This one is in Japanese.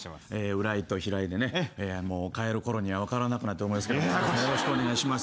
浦井と平井でね帰る頃には分からなくなると思いますけどよろしくお願いします。